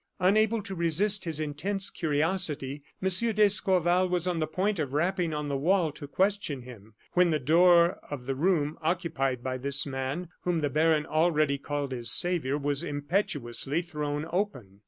Unable to resist his intense curiosity, M. d'Escorval was on the point of rapping on the wall to question him, when the door of the room occupied by this man, whom the baron already called his saviour, was impetuously thrown open.